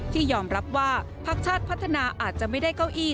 ที่ยอมรับว่าพักชาติพัฒนาอาจจะไม่ได้เก้าอี้